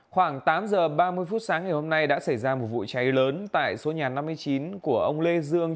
khoảng tám giờ ba mươi phút sáng ngày hôm nay đã xảy ra một vụ cháy lớn tại số nhà năm mươi chín của ông lê dương